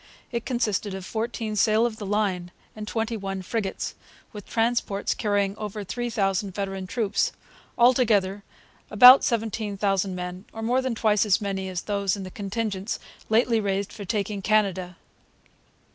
It consisted of fourteen sail of the line and twenty one frigates, with transports carrying over three thousand veteran troops; altogether, about 17,000 men, or more than twice as many as those in the contingents lately raised for taking Canada.